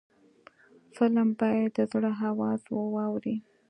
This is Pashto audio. فلم باید د زړه آواز واوري